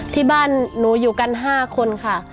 ที่บ้านหนูอยู่กัน๕คนค่ะ